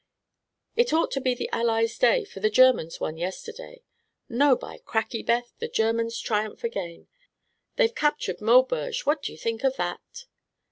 "It ought to be the Allies' day, for the Germans won yesterday. No by cracky, Beth the Germans triumph again; they've captured Maubeuge. What do you think of that?"